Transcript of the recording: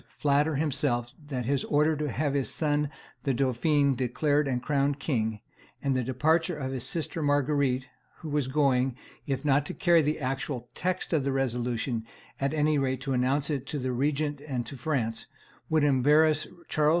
flatter himself that his order to have his son the dauphin declared and crowned king, and the departure of his sister Marguerite, who was going, if not to carry the actual text of the resolution, at any rate to announce it to the regent and to France, would embarrass Charles V.